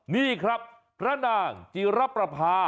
นี่ครับพระนางจีรประพา